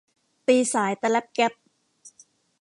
ตีสายตะแล็ปแก็ป